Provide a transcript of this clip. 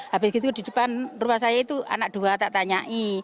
habis itu di depan rumah saya itu anak dua tak tanyai